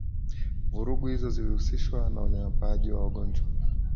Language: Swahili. Vurugu hizo zilihusishwa na unyanyapaaji wa wagonjwa